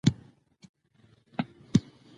مارجوري هینکلي وایي سهار نوی فرصت دی.